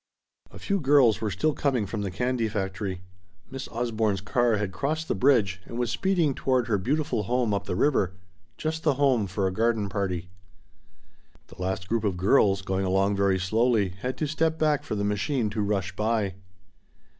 A few girls were still coming from the candy factory. Miss Osborne's car had crossed the bridge and was speeding toward her beautiful home up the river just the home for a garden party. The last group of girls, going along very slowly, had to step back for the machine to rush by.